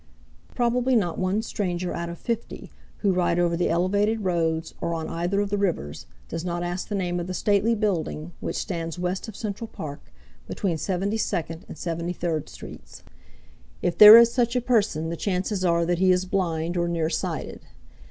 Probably not one stranger out of fifty who ride over the elevated roads or on either of the rivers does not ask the name of the stately building which stands west of Central Park, between Seventy second and Seventy third streets. If there is such a person the chances are that he is blind or nearsighted.